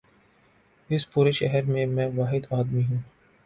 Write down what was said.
اس پورے شہر میں، میں واحد آدمی ہوں۔